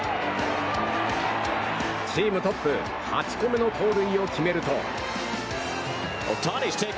チームトップ、８個目の盗塁を決めると。